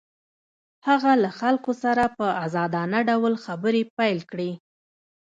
هغه له خلکو سره په ازادانه ډول خبرې پيل کړې.